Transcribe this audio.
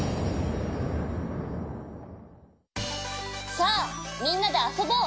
さあみんなであそぼう！